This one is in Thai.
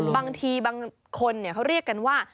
บางทีบางคนเขาเรียกกันว่า